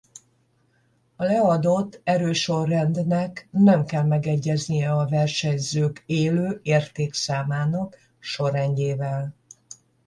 A leadott erősorrendnek nem kell megegyeznie a versenyzők Élő-értékszámának sorrendjével.